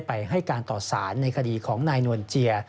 ให้การต่อสารในคดีของนายนวลเจีย